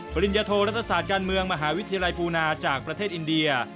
ปริญญโทรัฐศาสตร์การเมืองมหาวิทยาลัยปูนาจากประเทศอินเดีย